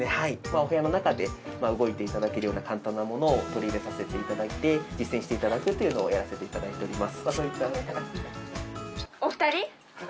お部屋の中で動いていただけるような簡単なものを取り入れさせていただいて実践していただくというのをやらせていただいております